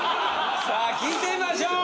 さあ聞いてみましょう。